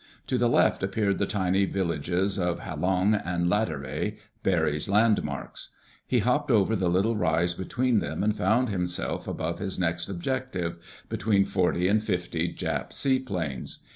To the left appeared the tiny villages of Halong and Lateri, Barry's landmarks. He hopped over the little rise between them and found himself above his next objective—between forty and fifty Jap seaplanes.